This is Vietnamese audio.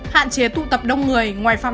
hạn chế tụ tập đông người ngoài phòng